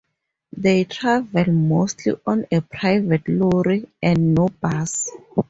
They travel mostly on a private lorry and no bus.